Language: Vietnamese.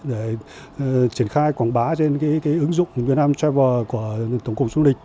để triển khai quảng bá trên ứng dụng vietnam travel của tổng cụm du lịch